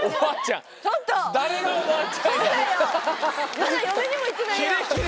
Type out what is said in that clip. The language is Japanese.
まだ嫁にも行ってないよ！